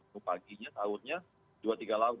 menu paginya sahurnya dua tiga lauk